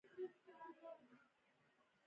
دا لوړ پوړو چارواکو ته لیکل کیږي.